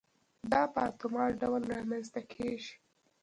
دا په اتومات ډول رامنځته کېږي.